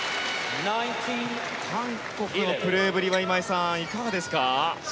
韓国のプレーぶりは今井さん、いかがですか？